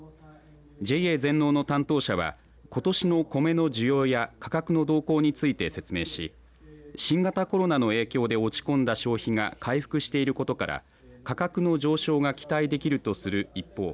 ＪＡ全農の担当者はことしのコメの需要や価格の動向について説明し新型コロナの影響で落ち込んだ消費が回復していることから価格の上昇が期待できるとする一方